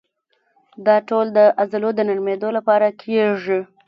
دا ټول د عضلو د نرمېدو لپاره کېږي.